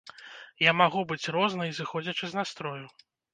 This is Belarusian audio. Я магу быць рознай, зыходзячы з настрою.